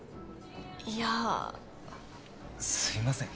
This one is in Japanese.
いやすいません